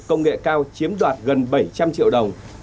công nghệ cao chiếm đoạt gần bảy trăm linh triệu đồng